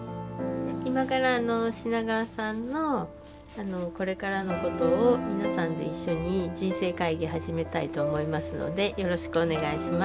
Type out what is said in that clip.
今から品川さんのこれからのことを皆さんで一緒に人生会議始めたいと思いますのでよろしくお願いします。